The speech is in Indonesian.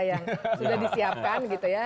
yang sudah disiapkan gitu ya